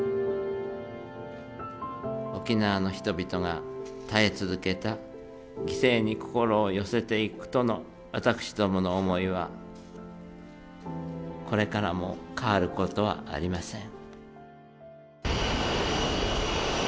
沖縄の人々が耐え続けた犠牲に心を寄せていくとの私どもの思いは、これからも変わることはありません。